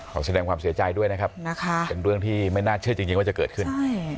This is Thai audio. ขอแสดงความเสียใจด้วยนะครับเป็นเรื่องที่ไม่น่าเชื่อจริงว่าจะเกิดขึ้น